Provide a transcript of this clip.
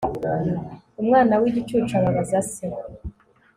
umwana w'igicucu ababaza se